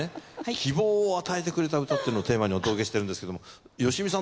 希望を与えてくれた歌っていうのをテーマにお届けしてるんですけどもよしみさん